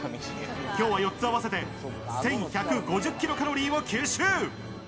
今日は４つ合わせて１１５０ｋｃａｌを吸収。